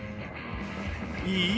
「いい？